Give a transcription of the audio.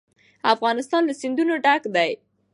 افغانستان له سیندونه ډک دی.